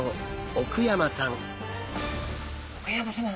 奥山さま